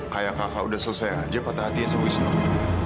kayak kakak udah selesai aja patah hatinya sepuluh sepuluh